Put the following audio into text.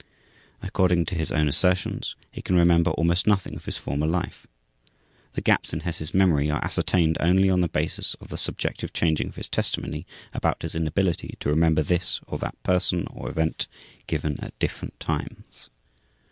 According to his own assertions, he can remember almost nothing of his former life. The gaps in Hess' memory are ascertained only on the basis of the subjective changing of his testimony about his inability to remember this or that person or event given at different times.